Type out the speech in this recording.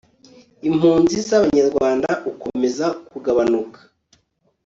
impunzi z'abanyarwanda ukomeza kugabanuka